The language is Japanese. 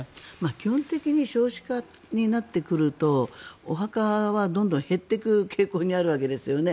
基本的に少子化になってくるとお墓はどんどん減ってく傾向にあるわけですよね。